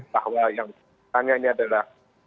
bahwa yang tanya nya adalah